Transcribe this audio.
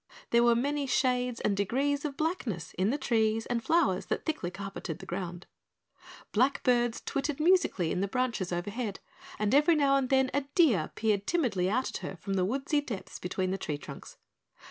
There were many shades and degrees of blackness in the trees and flowers that thickly carpeted the ground. Black birds twittered musically in the branches overhead, and every now and then a deer peered timidly out at her from the woodsy depths between the tree trunks.